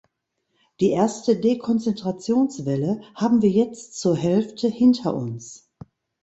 Die erste Dekonzentrationswelle haben wir jetzt zur Hälfte hinter uns.